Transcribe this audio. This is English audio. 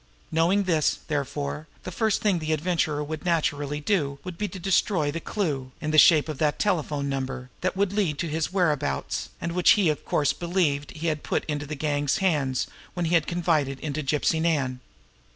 Knowing this, therefore, the first thing the Adventurer would naturally do would be to destroy the clew, in the shape of that telephone number, that would lead to his whereabouts, and which he of course believed he had put into the gang's hands when he had confided in Gypsy Nan.